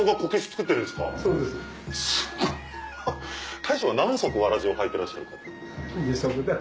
大将は何足わらじを履いてらっしゃる？